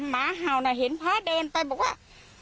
หมาเห่าน่ะเห็นพระเดินไปบอกว่า